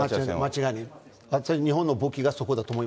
間違いない。